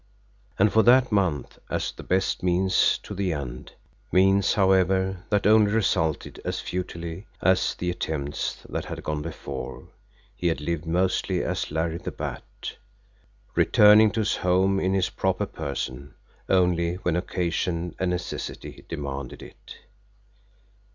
And for that month, as the best means to the end means, however, that only resulted as futilely as the attempts that had gone before he had lived mostly as Larry the Bat, returning to his home in his proper person only when occasion and necessity demanded it.